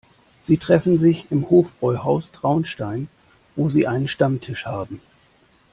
Sie treffen sich im Hofbräuhaus Traunstein, wo sie einen Stammtisch haben.